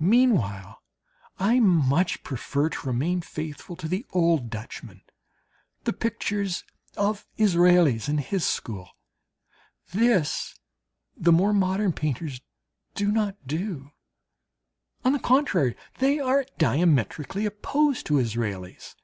Meanwhile I much prefer to remain faithful to the old Dutchmen, the pictures of Israels and his school. This the more modern painters do not do; on the contrary, they are diametrically opposed to Israels.